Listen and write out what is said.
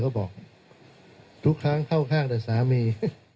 ก็บอกทุกครั้งเข้าข้างแต่สามี